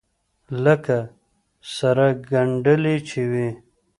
لکه سره گنډلې چې وي.